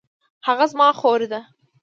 هغه زما خور ده